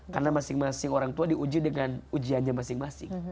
karena masing masing orang tua diuji dengan ujiannya masing masing